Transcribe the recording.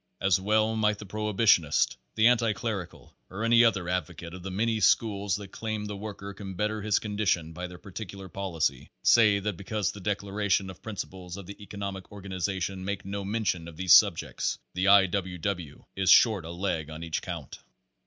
As well might the prohibitionist, the anti clerical, or any other advocate of the many schools that claim the worker can better his condition by their particular policy, say that because the declaration of principles of the economic organization makes no mention of these subjects, the I. W. W. is short a leg on each count.